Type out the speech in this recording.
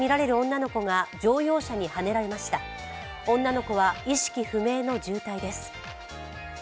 女の子は意識不明の重体です。